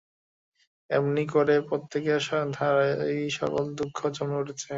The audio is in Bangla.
এমনি করে প্রত্যেকের দ্বারাই সকলের দুঃখ জমে উঠেছে।